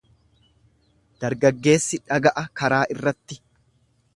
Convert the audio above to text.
Dargaggeessi dhaga'a karaa irratti.